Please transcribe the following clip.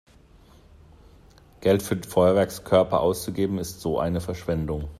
Geld für Feuerwerkskörper auszugeben ist so eine Verschwendung!